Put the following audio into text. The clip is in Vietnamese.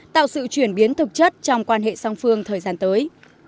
tạo sự chuyển biến thực chất trong quan hệ song phương thời gian tới